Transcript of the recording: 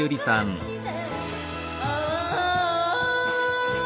「ああ